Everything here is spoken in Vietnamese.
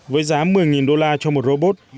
với giá một mươi đô la cho một robot